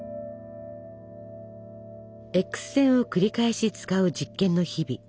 Ｘ線を繰り返し使う実験の日々。